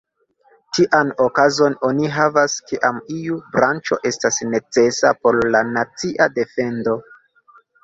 Tian okazon oni havas, kiam iu branĉo estas necesa por la nacia defendo.